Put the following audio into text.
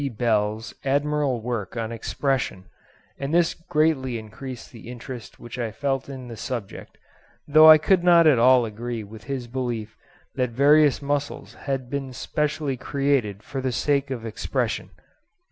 Bell's admirable work on expression, and this greatly increased the interest which I felt in the subject, though I could not at all agree with his belief that various muscles had been specially created for the sake of expression.